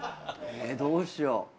えどうしよう。